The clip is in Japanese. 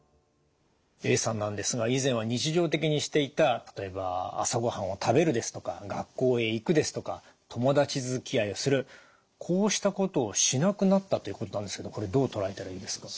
Ａさんなんですが以前は日常的にしていた例えば朝ごはんを食べるですとか学校へ行くですとか友達づきあいをするこうしたことをしなくなったということなんですけどこれどう捉えたらいいですか？